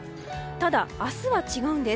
ただ、明日は違うんです。